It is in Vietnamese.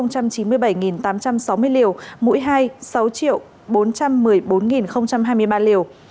cả nước đã tiêm hơn tám trăm sáu mươi liều mỗi hai là sáu bốn trăm một mươi bốn hai mươi ba liều